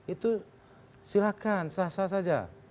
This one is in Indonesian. itu silakan sah sah saja